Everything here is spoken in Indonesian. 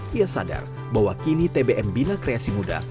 dia sadar bahwa kini tbm bina kreasi muda